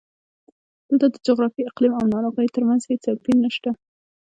دلته د جغرافیې، اقلیم او ناروغیو ترمنځ هېڅ توپیر نشته.